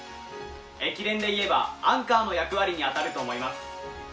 駅伝でいえば、アンカーの役割にあたると思います。